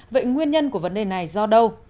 vậy nguyên nhân của vấn đề này do đâu